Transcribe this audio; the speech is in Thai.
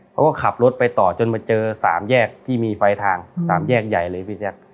เขาก็ขับรถไปต่อจนมาเจอ๓แยกที่มีไฟทาง๓แยกใหญ่เลยพี่แจ๊ค